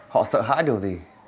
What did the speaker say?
họ sợ hãi điều gì